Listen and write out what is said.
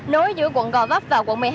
nối giữa quận gò vấp và quận một mươi hai